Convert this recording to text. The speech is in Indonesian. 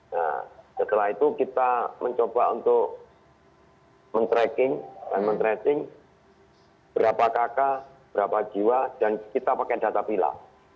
nah setelah itu kita mencoba untuk men tracking tracing berapa kakak berapa jiwa dan kita pakai data pilang